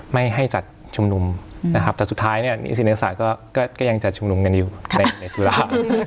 ไม่ให้จัดชุมนุมนะครับแต่สุดท้ายเนี่ยนิศนัยศาสตร์ก็ยังจัดชุมนุมกันอยู่ในจุฬา